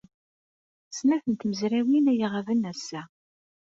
Snat n tmezrawin ay iɣaben ass-a.